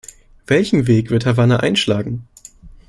Welchen Weg wird Havanna einschlagen?